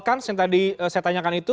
kans yang tadi saya tanyakan itu